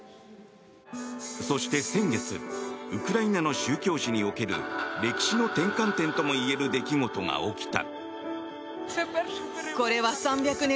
そして、先月ウクライナの宗教史における歴史の転換点ともいえる出来事が起きた。